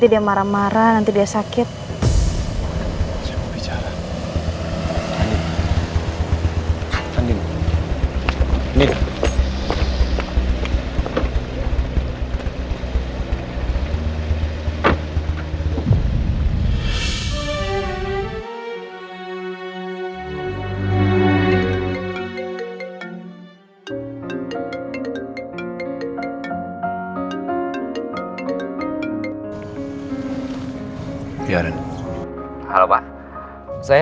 sampai jumpa di video selanjutnya